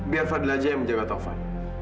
biar fadil aja yang menjaga taufan